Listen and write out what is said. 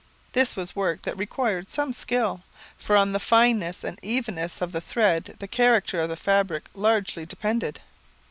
This was work that required some skill, for on the fineness and evenness of the thread the character of the fabric largely depended.